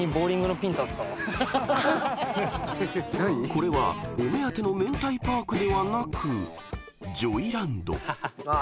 ［これはお目当てのめんたいパークではなくジョイランド］